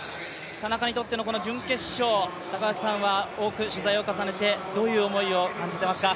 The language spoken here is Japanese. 田中にとっての準決勝、高橋さんは多く取材を重ねてどういう思いを感じていますか？